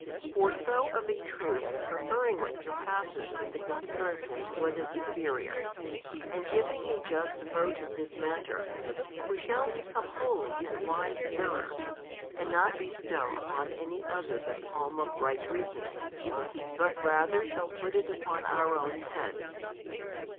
For so of a truth preferring what surpasses in the comparison to what is inferior, and giving a just vote in this matter, we shall become holy and wise jurors, and not bestow upon any other the palm of right reasoning, but rather shall put it upon our own heads.